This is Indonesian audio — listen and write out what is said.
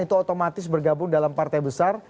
itu otomatis bergabung dalam partai besar